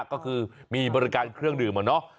ก็คือมีบริการเครื่องดื่มอะเนาะ